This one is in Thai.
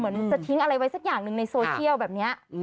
เหมือนจะทิ้งอะไรไว้สักอย่างหนึ่งในโซเชียลแบบนี้